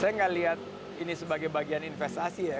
saya nggak lihat ini sebagai bagian investasi ya